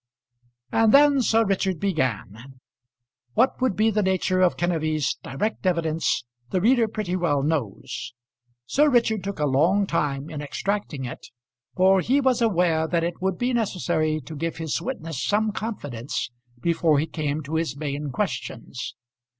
And then Sir Richard began. What would be the nature of Kenneby's direct evidence the reader pretty well knows. Sir Richard took a long time in extracting it, for he was aware that it would be necessary to give his witness some confidence before he came to his main questions.